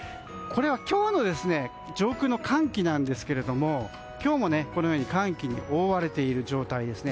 今日の上空の寒気なんですけども今日もこのように寒気に覆われている状態です。